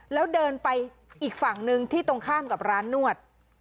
แล้วเดินไปอีกฝั่งหนึ่งที่ตรงข้ามกับร้านนวด